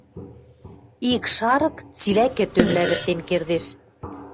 Ик шарык цилӓ кӹтӧм лявӹртен кердеш.